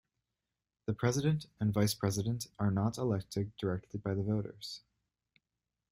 The President and Vice President are not elected directly by the voters.